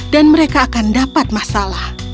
dan mereka akan dapat masalah